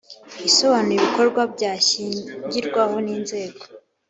isobanura ibikorwa byashingirwaho n inzego